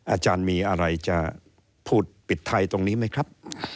อาจารย์มีอะไรจะพูดปิดไทยตรงนี้ไหมครับ